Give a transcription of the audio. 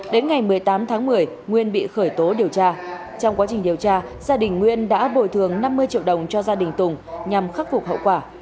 đến ngày một mươi tám tháng một mươi nguyên bị khởi tố điều tra trong quá trình điều tra gia đình nguyên đã bồi thường năm mươi triệu đồng cho gia đình tùng nhằm khắc phục hậu quả